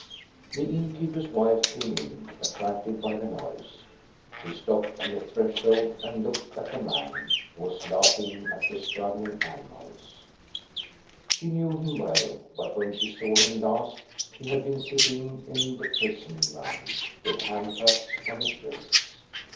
The innkeeper's wife came in, attracted by the noise. She stopped on the threshold and looked at the man, who was laughing at the struggling ani mals. She knew him well ; but when she saw him 22 338 THE STORY OF GOSTA BERLING last, he had been sitting in the prison van with handcuffs on his wrists.